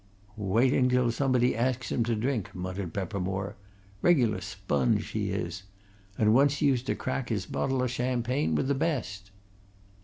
"Waiting till somebody asks him to drink," muttered Peppermore. "Regular sponge, he is! And once used to crack his bottle of champagne with the best!"